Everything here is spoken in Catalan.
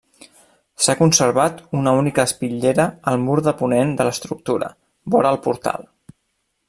S'ha conservat una única espitllera al mur de ponent de l'estructura, vora el portal.